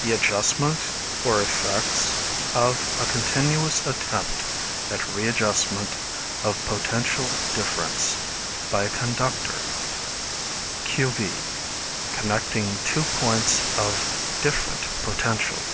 The adjustment, or effects of a continuous attempt at readjustment of potential difference by a conductor, q. v., connecting two points of different potential.